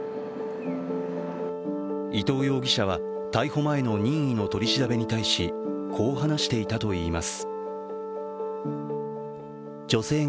伊藤容疑者は逮捕前の任意の取り調べに対し、こう話していたといいます。